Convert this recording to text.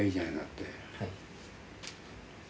はい。